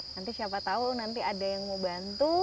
nanti siapa tahu nanti ada yang mau bantu